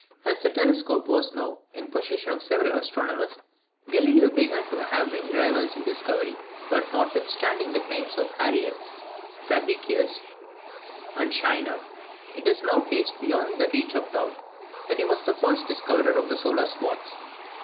As the telescope was now in the possession of several astronomers, Galileo began to have many rivals in discovery; but notwithstanding the claims of Harriot, Fabricius, and Scheiner, it is now placed beyond the reach of doubt that he was the first discoverer of the solar spots.